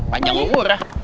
panjang umur ah